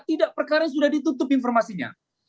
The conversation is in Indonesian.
tidak perkara sudah ditutup informasinya